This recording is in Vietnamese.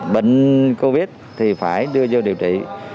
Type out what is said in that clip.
bệnh covid thì phải đưa vô điều trị